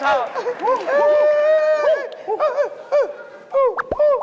เออลิงเออ